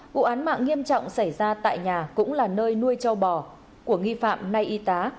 vụ án mạng nghiêm trọng xảy ra tại nhà cũng là nơi nuôi châu bò của nghi phạm nay y tá